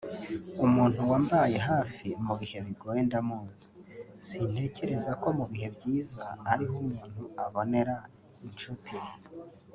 “Umuntu wambaye hafi mu bihe bigoye ndamuzi sintekereza ko mu bihe byiza ari ho umuntu abonera inshuti